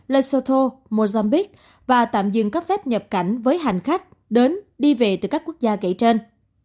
lesoto mozambique và tạm dừng cấp phép nhập cảnh với hành khách đến đi về từ các quốc gia kể trên